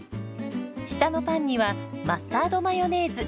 下のパンにはマスタードマヨネーズ。